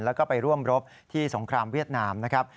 แล้วก็ไปร่วมรบที่สงครามเวียดนามนะครับ